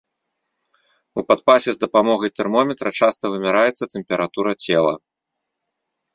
У падпасе з дапамогай тэрмометра часта вымяраецца тэмпература цела.